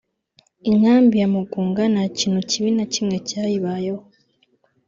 Inkambi ya Mugunga nta kintu kibi na kimwe cyayibayeho